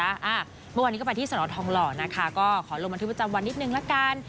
เมื่อวานนี้ก็ไปที่สนทองหล่อนะคะก็ขอลงบันทึกประจำวันนิดนึงละกัน